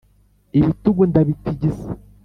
ibitugu ndabitigisa